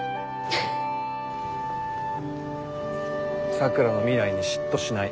「咲良の未来に嫉妬しない」